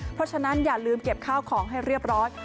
เพราะฉะนั้นอย่าลืมเก็บข้าวของให้เรียบร้อย